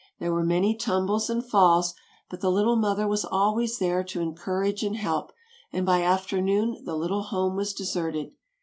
There were many tumbles and falls, but the little mother was always there to encourage and help, and by afternoon the little home was deserted.